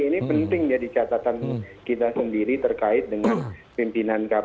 ini penting jadi catatan kita sendiri terkait dengan pimpinan kpk